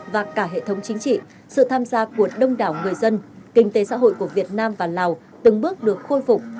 và cả hệ thống chính trị sự tham gia của đông đảo người dân kinh tế xã hội của việt nam và lào từng bước được khôi phục